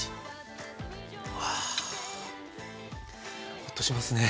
ホッとしますね。